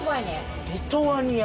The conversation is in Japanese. リトアニア！